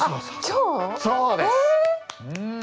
そうです！え！